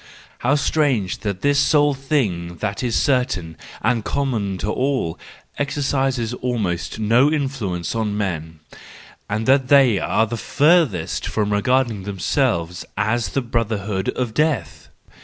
How strange that this sole thing that is certain and common to all, exercises almost no influence on men, and that they are the furthest from regarding themselves as the brother¬ hood of death!